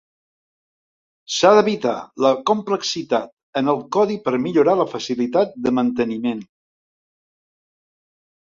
S'ha d'evitar la complexitat en el codi per millorar la facilitat de manteniment.